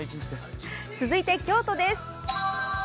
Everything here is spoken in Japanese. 続いて京都です。